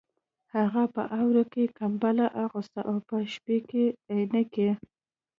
هغه په اوړي کې کمبله اغوسته او په شپه کې عینکې